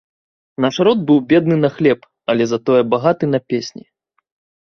Наш род быў бедны на хлеб, але затое багаты на песні.